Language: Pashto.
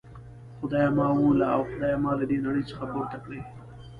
خدایه ما ووله او خدایه ما له دي نړۍ څخه پورته کړي.